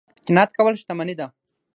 قناعت کول شتمني ده